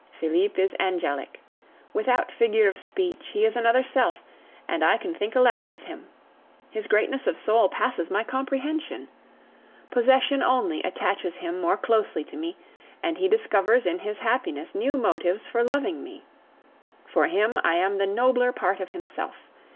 Felipe is angelic. Without figure of speech, he is another self, and I can think aloud with him. His greatness of soul passes my comprehension. Possession only attaches him more closely to me, and he discovers in his happiness new motives for loving me. For him, I am the nobler part of himself.